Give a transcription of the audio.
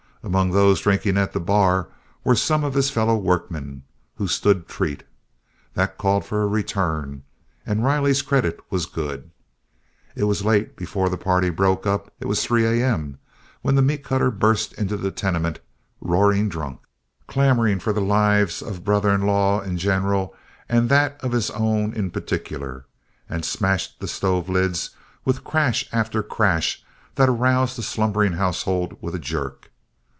Among those drinking at the bar were some of his fellow workmen, who stood treat. That called for a return, and Riley's credit was good. It was late before the party broke up; it was 3 A.M. when the meat cutter burst into the tenement, roaring drunk, clamoring for the lives of brothers in law in general and that of his own in particular, and smashed the stove lids with crash after crash that aroused the slumbering household with a jerk.